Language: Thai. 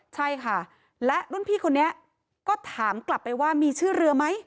ใช่ค่ะและรุ่นพี่คนนี้ก็ถามกลับไปว่ามีชื่อเรือไหม